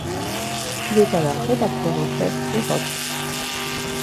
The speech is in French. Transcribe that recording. Il est alors rédacteur en chef Europe.